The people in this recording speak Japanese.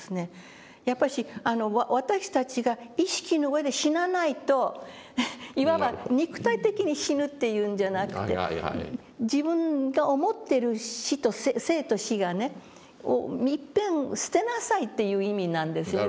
やっぱし私たちが意識の上で死なないといわば肉体的に死ぬというんじゃなくて自分が思ってる死と生と死をいっぺん捨てなさいという意味なんですよね